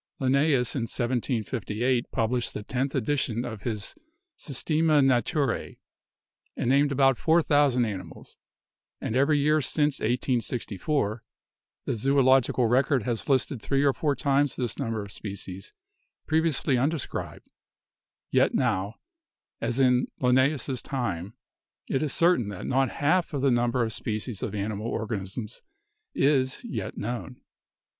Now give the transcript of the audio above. Linnaeus in 1758 published the tenth edition of his 'Systema Naturae' and named about four thousand animals, and every year since 1864 the 'Zoolog ical Record' has listed three or four times this number of species previously undescribed, yet now, as in Lin naeus's time, it is certain that not half of the number of species of animal organisms is, yet known.